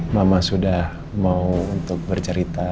mama sudah mau untuk bercerita